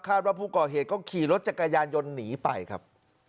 ว่าผู้ก่อเหตุก็ขี่รถจักรยานยนต์หนีไปครับ